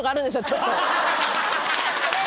ちょっと。